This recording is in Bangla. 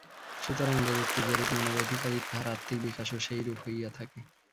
সুতরাং যে ব্যক্তি যেরূপ মনের অধিকারী, তাহার আত্মিক বিকাশও সেইরূপ হইয়া থাকে।